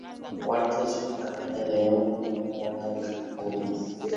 Cuarto de sur, caldera de oro con una banda de gules.